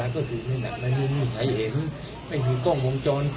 ก็เมื่อกี้บอกแล้วไงว่าเราไม่มีลักษณะ